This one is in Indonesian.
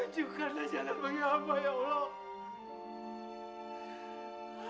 tujukanlah jalanmu ya allah